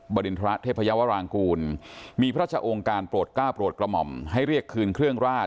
บริณฐะเทพยาวรางกุลมีพระเจ้างการโปรดก้าโปรดกรมให้เรียกคืนเครื่องราช